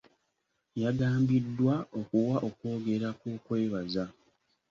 Yagambiddwa okuwa okwogera kw'okwebaza.